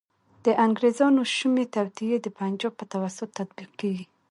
د انګریزانو شومي توطیې د پنجاب په توسط تطبیق کیږي.